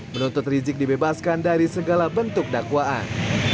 menuntut rizik dibebaskan dari segala bentuk dakwaan